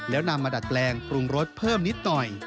แล้วนำมาดัดแปลงปรุงรสเพิ่มนิดหน่อย